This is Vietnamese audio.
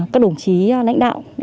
các đồng chí lãnh đạo